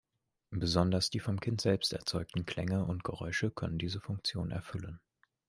Besonders die vom Kind selbst erzeugten Klänge und Geräusche können diese Funktion erfüllen.